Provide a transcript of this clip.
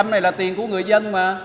hai này là tiền của người dân mà